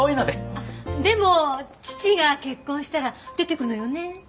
あっでも父が結婚したら出て行くのよね？